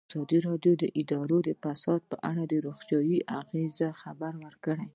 ازادي راډیو د اداري فساد په اړه د روغتیایي اغېزو خبره کړې.